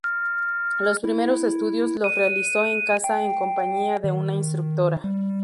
Los primeros estudios los realizó en casa en compañía de una instructora.